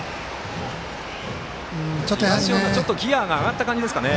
東恩納がギヤが上がった感じですかね。